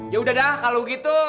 yaudah dah kalau gitu